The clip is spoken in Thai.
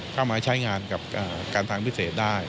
เข้ามาใช้งานกับการทางพิเศษได้